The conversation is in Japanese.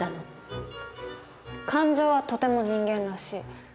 「感情はとても人間らしい」。